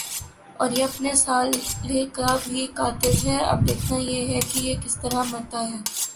اور یہ اپنے سالے کا بھی قاتل ھے۔ اب دیکھنا یہ ھے کہ یہ کس طرع مرتا ھے۔